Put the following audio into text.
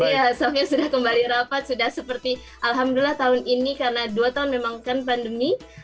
ya syafinya sudah kembali rapat sudah seperti alhamdulillah tahun ini karena dua tahun memang kan pandemi